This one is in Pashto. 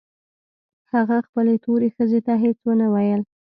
هغه خپلې تورې ښځې ته هېڅ نه ويل.